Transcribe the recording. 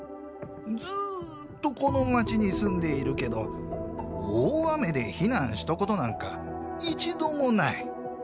ずっとこの街に住んでいるけど大雨で避難したことなんか一度もない。